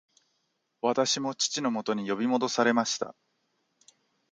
私も父のもとに呼び戻されました